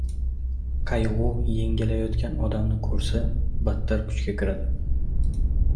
Qayg‘u yengilayotgan odamni ko‘rsa, battar kuchga kiradi.